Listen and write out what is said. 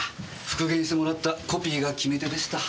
復元してもらったコピーが決め手でした。